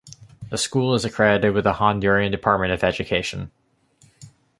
The school is accredited with the Honduran Department of Education.